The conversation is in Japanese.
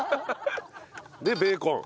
でベーコン。